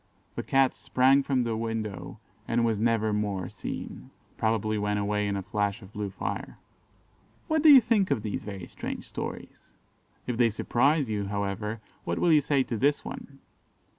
"The Cat sprang from the window, and was never more seen." (Probably went away in a flash of blue fire.) What do you think of these very strange stories? If they surprise you, however, what will you say to this one?